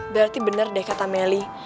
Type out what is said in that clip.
berarti benar deh kata melly